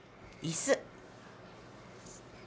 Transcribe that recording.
いす。